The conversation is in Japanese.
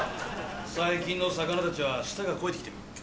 最近の魚たちは舌が肥えてきてる。